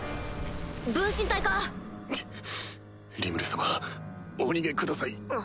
様お逃げください。